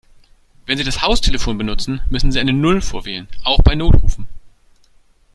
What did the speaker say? Wenn Sie das Haustelefon benutzen, müssen Sie eine Null vorwählen, auch bei Notrufen.